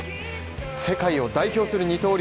世界を代表する二刀流